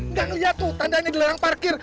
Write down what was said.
nggak ngelihat tuh tandanya dilerang parkir